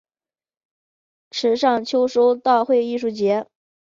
池上秋收稻穗艺术节